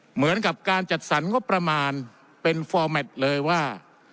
เหมือนกับการจัดสรรงบประมาณเป็นฟอร์แมทเลยว่า